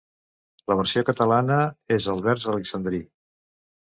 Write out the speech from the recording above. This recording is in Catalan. La versió catalana és el vers alexandrí.